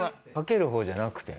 賭ける方じゃなくて？